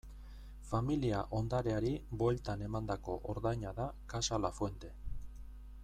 Familia ondareari bueltan emandako ordaina da Casa Lafuente.